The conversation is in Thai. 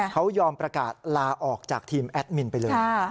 เขายอมประกาศลาออกจากทีมแอดมินไปเลย